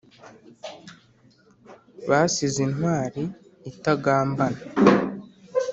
basize intwali itagambana